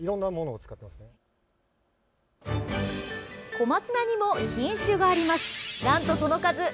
小松菜にも品種があります。